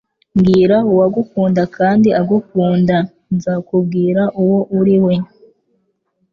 Mbwira uwagukunda kandi agukunda, nzakubwira uwo uri we.”